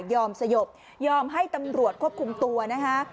สยบยอมให้ตำรวจควบคุมตัวนะคะ